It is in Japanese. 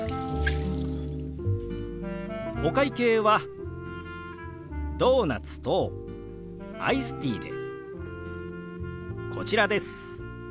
お会計はドーナツとアイスティーでこちらです。